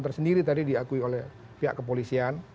tersendiri tadi diakui oleh pihak kepolisian